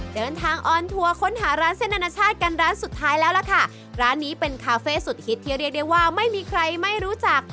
เดินทางออนทัวร์ค้นหาร้านเส้นอนาชาติกันร้านสุดท้ายแล้วล่ะค่ะร้านนี้เป็นคาเฟ่สุดฮิตที่เรียกได้ว่าไม่มีใครไม่รู้จัก